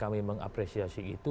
kami mengapresiasi itu